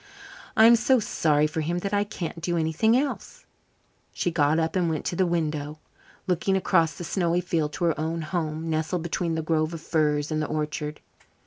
"I'm so sorry for him that I can't do anything else." She got up and went to the window, looking across the snowy field to her own home, nestled between the grove of firs and the orchard.